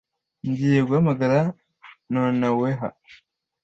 Ngiye guhamagara nonaweha.